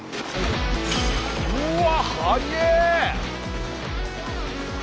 うわっ速え！